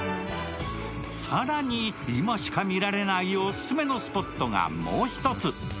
更に、今しか見られないオススメのスポットがもう一つ。